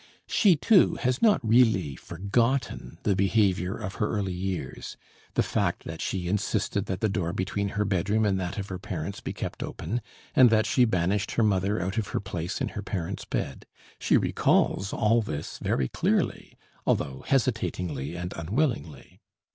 She, too, has not really forgotten the behavior of her early years, the fact that she insisted that the door between her bedroom and that of her parents be kept open, and that she banished her mother out of her place in her parents' bed. She recalls all this very clearly, although hesitatingly and unwillingly.